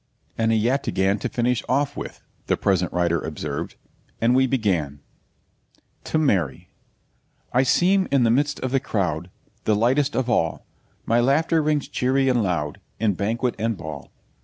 'And a yataghan to finish off with,' the present writer observed, and we began: 'TO MARY 'I seem, in the midst of the crowd, The lightest of all; My laughter rings cheery and loud, In banquet and ball.